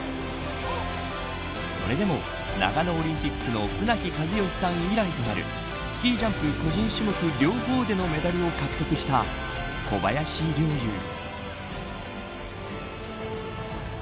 それでも長野オリンピックの船木和喜さん以来となるスキージャンプ個人種目両方でのメダルを獲得した小林陵侑。